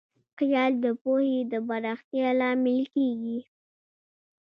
خیال د پوهې د پراختیا لامل کېږي.